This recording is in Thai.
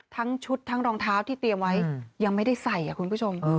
ทั้งชุดทั้งรองเท้าที่เตรียมไว้ยังไม่ได้ใส่คุณผู้ชม